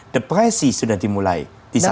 depresi sudah dimulai di sana